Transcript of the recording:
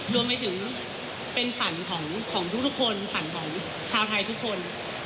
รวมไปถึงเป็นฝันของทุกคนฝันของชาวไทยทุกคน